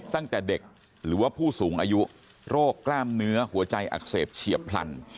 ตั้งแต่เด็กหรือว่าผู้สูงอายุโรคกล้ามเนื้อหัวใจอักเสบเฉียบพลัน